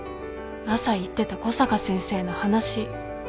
朝言ってた小坂先生の話。